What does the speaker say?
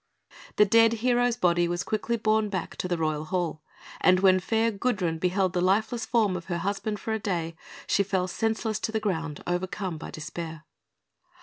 The dead hero's body was quickly borne back to the royal Hall; and when the fair Gudrun beheld the lifeless form of her husband of a day, she fell senseless to the ground, overcome by despair.